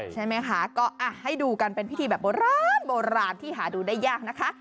ใช่ไหมคะก็ให้ดูกันเป็นพิธีแบบโบราณโบราณที่หาดูได้ยากนะคะ